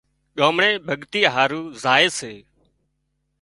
ڳامڙي ڀڳتي هارو زائي سي